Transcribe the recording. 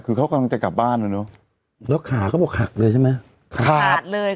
คือเขากำลังจะกลับบ้านนะเนอะแล้วขาเขาบอกหักเลยใช่ไหมขาดเลย